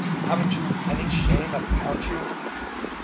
Haven't you any shame about you?"